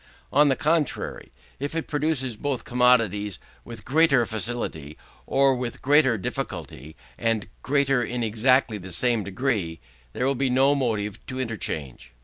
On the contrary, if it produces both commodities with greater facility, or both with greater difficulty, and greater in exactly the same degree, there will be no motive to interchange.